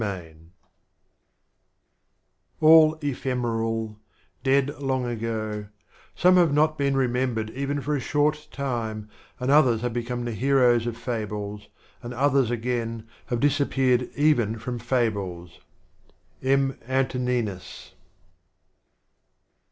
"A 11 ephemeral, dead long ago; some have not been remembered even for a short time, and others have become the heroes of fables, and others again have disappeared even from fables." — M. Antoninus.